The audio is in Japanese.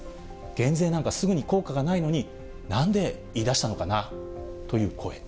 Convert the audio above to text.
減税なんかすぐに効果がないのに、なんで言いだしたのかなという声。